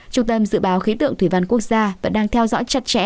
trung tâm dự báo khí tượng thủy văn quốc gia vẫn đang theo dõi chặt chẽ